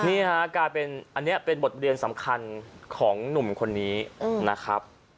นี่ฮะกลายเป็นอันนี้เป็นบทเรียนสำคัญของหนุ่มคนนี้นะครับ